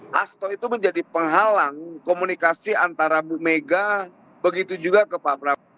hasto itu menjadi penghalang komunikasi antara bu mega begitu juga ke pak prabowo